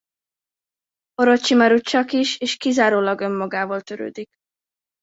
Orocsimaru csakis és kizárólag önmagával törődik.